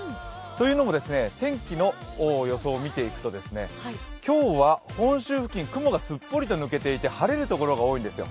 というのも、天気の予想を見ていくと、今日は本州付近雲がすっぽり抜けていて晴れるところが多いんですよ。